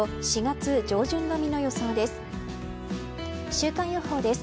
週間予報です。